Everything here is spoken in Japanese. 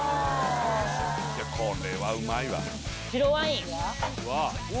これはうまいわ。